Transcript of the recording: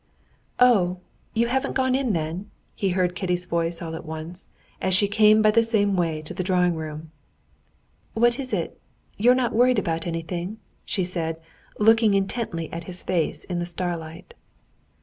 "Oh, you haven't gone in then?" he heard Kitty's voice all at once, as she came by the same way to the drawing room. "What is it? you're not worried about anything?" she said, looking intently at his face in the starlight.